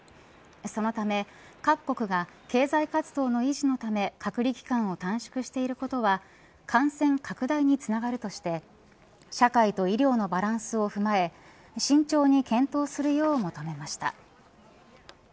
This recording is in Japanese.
そのため各国が経済活動の維持のため隔離期間を短縮していることは感染拡大につながるとして社会と医療のバランスを踏まえ慎重に検討するよう求めました。